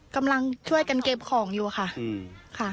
กำลังช่วยกันเก็บของอยู่ค่ะ